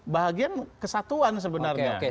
bahagian kesatuan sebenarnya oke oke